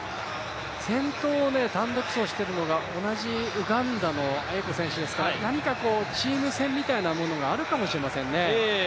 先頭を単独走しているのが、同じウガンダのアエコ選手ですから何かチーム戦みたいなものがあるかもしれませんね。